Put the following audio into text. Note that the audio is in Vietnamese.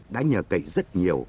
đã nhờ cậy rất nhiều